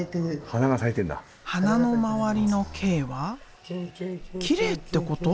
花の周りの「Ｋ」はきれいってこと？